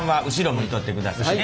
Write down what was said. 向いとってくださいね。